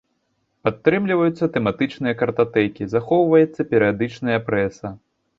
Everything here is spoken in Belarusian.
Падтрымліваюцца тэматычныя картатэкі, захоўваецца перыядычная прэса.